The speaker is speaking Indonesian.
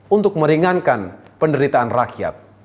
untuk meringankan penderitaan rakyat